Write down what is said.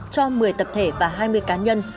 cho một mươi tập thể và hai mươi cá nhân